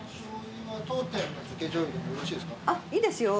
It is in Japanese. あっいいですよ。